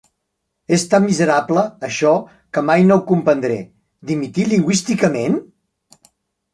És tan miserable, això, que mai no ho comprendré. Dimitir lingüísticament?